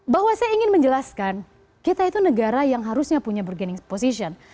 bahwa saya ingin menjelaskan kita itu negara yang harusnya punya bergaining position